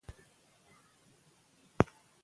تاریخ د خپلو پښو ولاړ دی.